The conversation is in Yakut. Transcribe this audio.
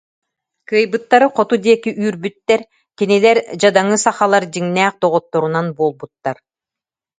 Кыайбыттары хоту диэки үүрбүттэр, кинилэр дьадаҥы сахалар дьиҥнээх доҕотторунан буолбуттар